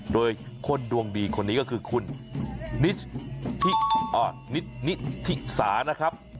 โดยคนดวงดีคนนี้ก็คือคุณนิธิสานะครับ